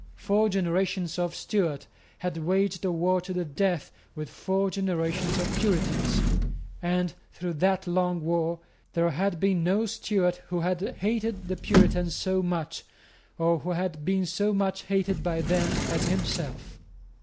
Four generations of Stuarts had waged a war to the death with four generations of Puritans; and, through that long war, there had been no Stuart who had hated the Puritans so much, or who had been so much hated by them, as himself.